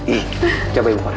ih coba ibu pakai